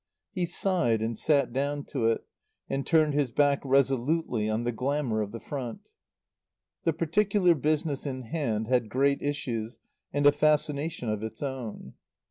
He sighed and sat down to it, and turned his back resolutely on the glamour of the Front. The particular business in hand had great issues and a fascination of its own.